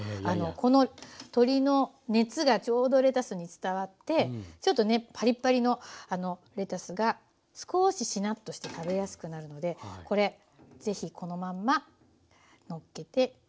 この鶏の熱がちょうどレタスに伝わってちょっとねパリパリのレタスが少ししなっとして食べやすくなるのでこれ是非このまんまのっけて下さい。